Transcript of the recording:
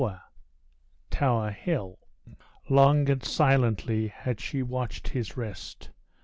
Tower Hill. Long and silently had she watched his rest.